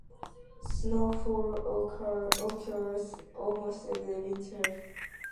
Snowfall occurs almost every winter.